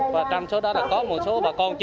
và trong số đó là có một số bà con chưa